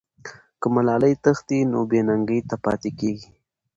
که ملالۍ تښتي، نو بې ننګۍ ته پاتې کېږي.